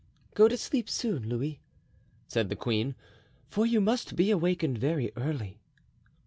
"Go to sleep soon, Louis," said the queen, "for you must be awakened very early."